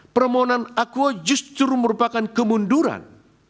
permohonan akuo justru merupakan kemunduran